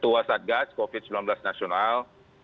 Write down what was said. buasat gas covid sembilan belas nasional